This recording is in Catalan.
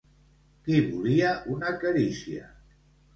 Qui volia una carícia?